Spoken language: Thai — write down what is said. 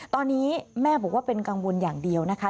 ตอนนี้แม่บอกว่าเป็นกังวลอย่างเดียวนะคะ